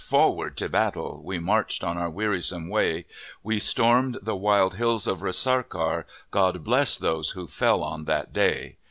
forward to battle! We marched on our wearisome way, We stormed the wild hills of Resacar God bless those who fell on that day!